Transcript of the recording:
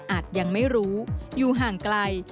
ยังไม่รู้อยู่ห่างไกล